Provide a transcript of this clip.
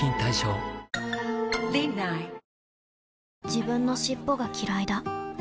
自分の尻尾がきらいだ